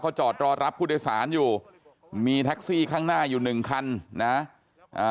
จอดรอรับผู้โดยสารอยู่มีแท็กซี่ข้างหน้าอยู่หนึ่งคันนะอ่า